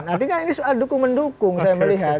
artinya ini soal dukung mendukung saya melihat